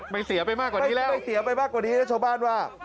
เสียไปมากกว่านี้แล้วไม่เสียไปมากกว่านี้แล้วชาวบ้านว่า